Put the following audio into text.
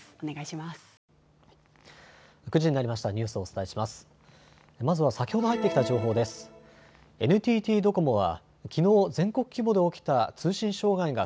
まずは先ほど入ってきた情報です。